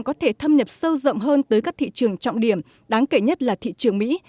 có thể thâm nhập sâu rộng hơn tới các thị trường trọng điểm đáng kể nhất là thị trường mỹ